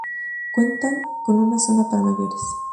Cuenta con una zona para mayores.